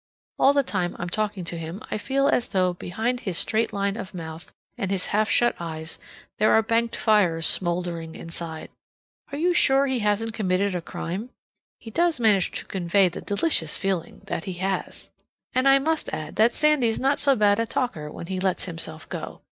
All the time I'm talking to him I feel as though behind his straight line of a mouth and his half shut eyes there were banked fires smoldering inside. Are you sure he hasn't committed a crime? He does manage to convey the delicious feeling that he has. And I must add that Sandy's not so bad a talker when he lets himself go.